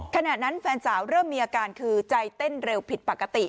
ขณะนั้นแฟนสาวเริ่มมีอาการคือใจเต้นเร็วผิดปกติ